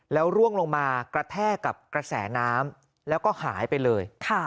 แล้วร่วงลงมากระแทกกับกระแสน้ำแล้วก็หายไปเลย